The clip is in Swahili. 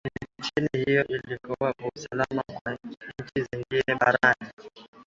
nchi hiyo inakuwa na usalama kwa nchi zingine barani